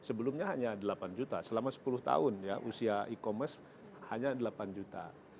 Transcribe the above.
sebelumnya hanya delapan juta selama sepuluh tahun ya usia e commerce hanya delapan juta